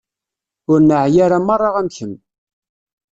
Ur neεya ara merra am kemm.